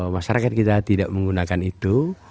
masyarakat kita tidak menggunakan itu